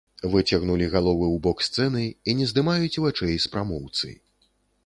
Выцягнулі галовы ў бок сцэны і не здымаюць вачэй з прамоўцы.